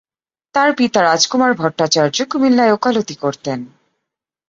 তার পিতা রাজকুমার ভট্টাচার্য কুমিল্লায় ওকালতি করতেন।